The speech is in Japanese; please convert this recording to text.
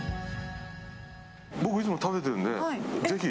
僕いつも食べてるんで、ぜひ。